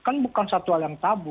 kan bukan satu hal yang tabu